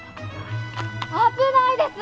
危ないです！